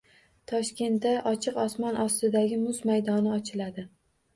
Toshkentda ochiq osmon ostidagi muz maydoni ochiladi